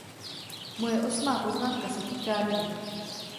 Moje osmá poznámka se týká Rady.